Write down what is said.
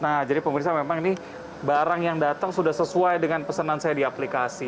nah jadi pemerintah memang ini barang yang datang sudah sesuai dengan pesanan saya di aplikasi